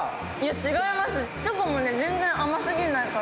違います。